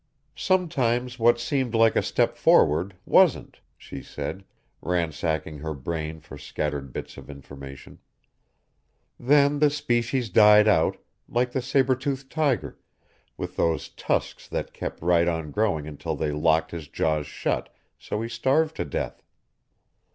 "Sometimes what seemed like a step forward wasn't," she said, ransacking her brain for scattered bits of information. "Then the species died out, like the saber tooth tiger, with those tusks that kept right on growing until they locked his jaws shut, so he starved to death."